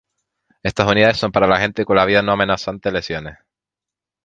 Estas unidades son para la gente con la vida no amenazante lesiones.